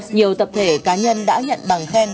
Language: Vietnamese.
nhiều tập thể cá nhân đã nhận bằng khen